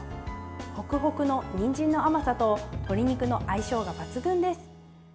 ホクホクのにんじんの甘さと鶏肉の相性が抜群です。